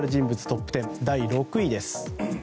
トップ１０第６位です。